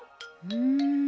うん。